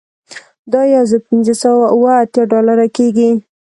دا یو زر پنځه سوه اوه اتیا ډالره کیږي